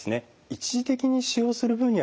一時的に使用する分にはですね